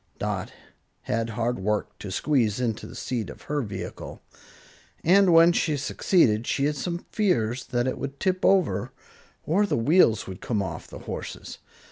Dot had hard work to squeeze into the seat of her vehicle, and when she succeeded she had some fears that it would tip over, or the wheels would come off the horses.